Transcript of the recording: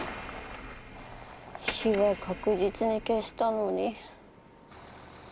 火は確実に消したのに。